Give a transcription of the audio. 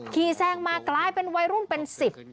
แซงมากลายเป็นวัยรุ่นเป็นสิบ